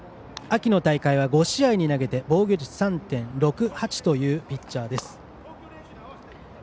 秋の大会は５試合投げて防御率３．６８というピッチャーです。